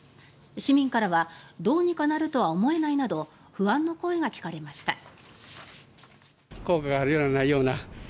市民からはどうにかなるとは思えないなど不安の声が聞かれました。